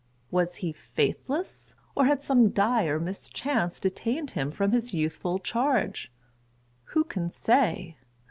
Was he faithless? or had some dire mischance detained him from his youthful charge? Who can say?